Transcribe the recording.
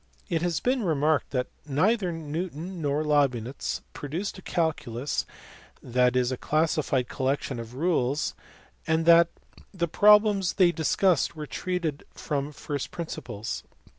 351 It has been remarked that neither Newton nor Leibnitz produced a calculus, that is a classified collection of rules ; and * that the problems they discussed were treated from first prin ciples.